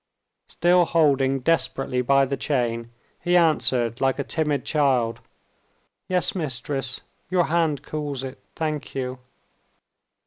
Still holding desperately by the chain, he answered like a timid child. "Yes, Mistress; your hand cools it. Thank you."